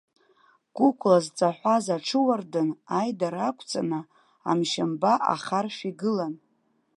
Кәыкәла зҵаҳәаз аҽыуардын аидара ақәҵаны, амшьамба ахаршә игылан.